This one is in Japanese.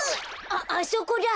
あっあそこだ。